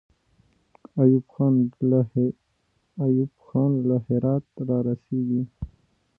ایوب خان له هراته را رسېږي.